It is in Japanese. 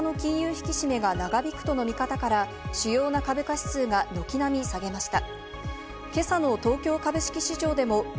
引き締めが長引くとの見方から主要な株価指数が軒並み下げました。